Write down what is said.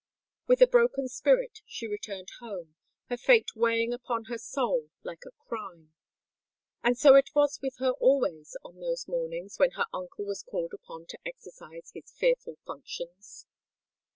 With a broken spirit she returned home, her fate weighing upon her soul like a crime! And so it was with her always on those mornings when her uncle was called upon to exercise his fearful functions.